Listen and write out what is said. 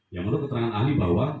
ya menurut keterangan ahli bahwa